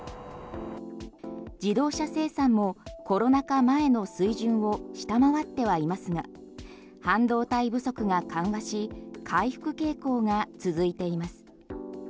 自動車生産もコロナ禍前の水準を下回ってはいますが半導体不足が緩和し回復傾向が続いています。